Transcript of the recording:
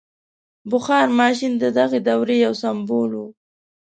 • بخار ماشین د دغې دورې یو سمبول و.